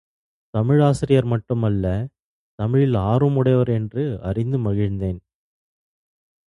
தமிழ் ஆசிரியர் மட்டு மல்ல தமிழில் ஆர்வம் உடையவர் என்று அறிந்து மகிழ்ந்தேன்.